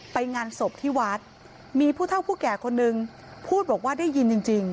ไปงานศพที่วัดมีผู้เท่าผู้แก่คนนึงพูดบอกว่าได้ยินจริง